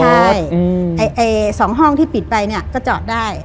ใช่๒ห้องที่ปิดไปเนี่ยก็จอดได้